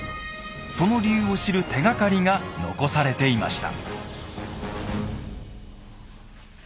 その理由を知る手がかりが残されていました。